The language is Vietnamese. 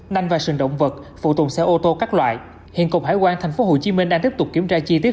nanh và sừng động vật phụ tùng xe ô tô các loại hiện cục hải quan tp hcm đang tiếp tục kiểm tra chi tiết